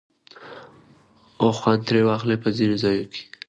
او خوند ترې واخلي په ځينو ځايو کې